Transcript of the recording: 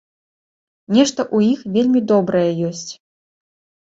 Нешта ў іх вельмі добрае ёсць.